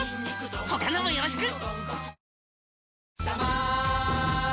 他のもよろしく！